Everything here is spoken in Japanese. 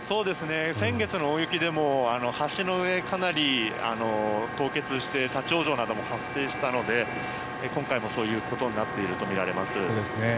先月の大雪でも橋の上かなり凍結して立ち往生なども発生したので今回もそういうことになっているとみられます。